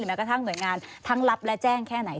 แม้กระทั่งหน่วยงานทั้งรับและแจ้งแค่ไหน